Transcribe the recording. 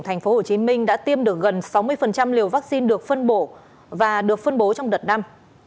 thành phố hồ chí minh đã tiêm được gần sáu mươi liều vaccine được phân bổ và được phân bố trong đợt năm